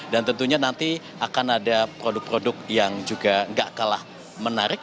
dan tentunya nanti akan ada produk produk yang juga nggak kalah menarik